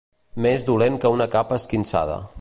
Més dolent que una capa esquinçada.